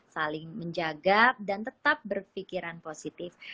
saling menjaga dan tetap berpikiran positif